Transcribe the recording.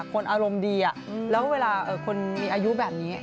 คนอารมณ์ดีแล้วเวลาคนมีอายุแบบนี้